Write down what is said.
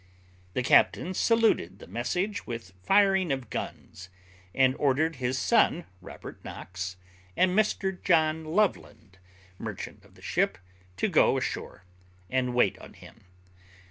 The captain saluted the message with firing of guns, and ordered his son, Robert Knox, and Mr John Loveland, merchant of the ship, to go ashore, and wait on him.